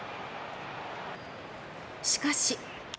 しかし。